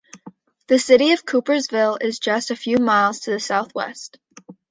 The city of Coopersville is just a few miles to the southwest.